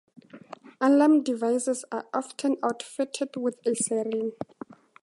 Alarm devices are often outfitted with a siren.